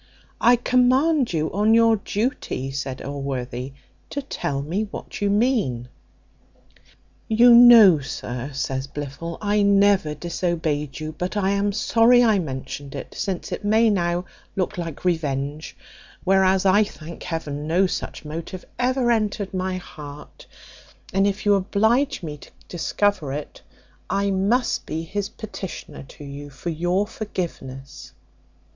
"I command you, on your duty," said Allworthy, "to tell me what you mean." "You know, sir," says Blifil, "I never disobeyed you; but I am sorry I mentioned it, since it may now look like revenge, whereas, I thank Heaven, no such motive ever entered my heart; and if you oblige me to discover it, I must be his petitioner to you for your forgiveness."